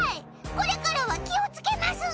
これからは気をつけます！